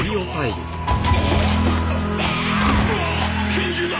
拳銃だ！